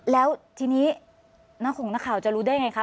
แล้วทีนี้นักหงนักข่าวจะรู้ได้ไงคะ